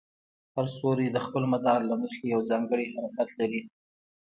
هر ستوری د خپل مدار له مخې یو ځانګړی حرکت لري.